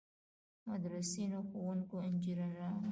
مدرسینو، ښوونکو، انجنیرانو.